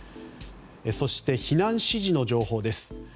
そして、避難指示の情報です。